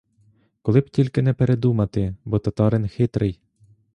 Коли б тільки не передумати, бо татарин хитрий.